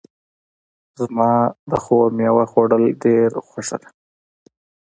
زما د خور میوه خوړل ډېر خوښ ده